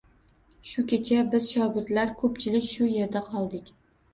Shu kecha biz shogirdlar ko’pchilik shu yerda qoldik.